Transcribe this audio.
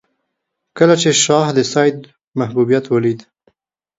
کله چې شاه د سید محبوبیت ولید.